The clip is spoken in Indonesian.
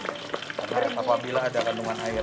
karena apabila ada kandungan air